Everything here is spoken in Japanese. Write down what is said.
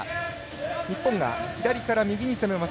日本が左から右に攻めます。